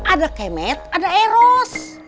ada kemet ada eros